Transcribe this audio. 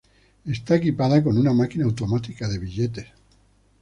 Está equipada con una máquina automática de billetes.